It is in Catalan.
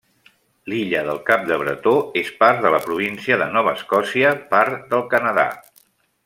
L'illa del Cap Bretó és part de la província de Nova Escòcia, part del Canadà.